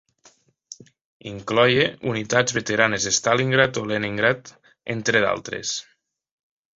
Incloïa unitats veteranes de Stalingrad o Leningrad, entre d'altres.